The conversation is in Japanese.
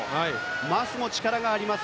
マスも力があります。